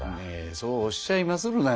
そうおっしゃいまするな。